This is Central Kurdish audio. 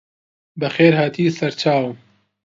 بەخێرهاتی سەرچاوم